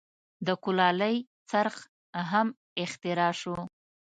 د کولالۍ څرخ هم اختراع شو.